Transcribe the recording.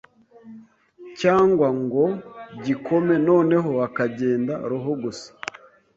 cyangwa ngo gikome noneho hakagenda roho gusa